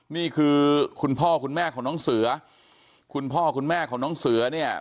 นี่คือคุณพ่อคุณแม่ของน้องเสือคุณพ่อคุณแม่ของน้องเสือเนี่ย